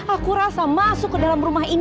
aku rasa masuk ke dalam rumah ini